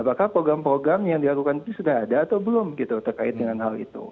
apakah program program yang dilakukan itu sudah ada atau belum gitu terkait dengan hal itu